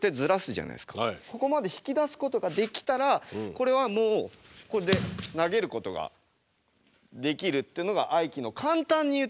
ここまで引き出すことができたらこれはもうこれで投げることができるっていうのが合気の簡単に言うと理論の中の一つとしてあるわけですよね。